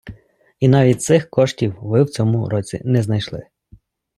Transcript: І навіть цих коштів ви в цьому році не знайшли.